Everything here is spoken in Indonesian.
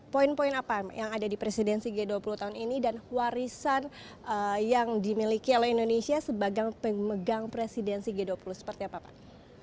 poin poin apa yang ada di presidensi g dua puluh tahun ini dan warisan yang dimiliki oleh indonesia sebagai pemegang presidensi g dua puluh seperti apa pak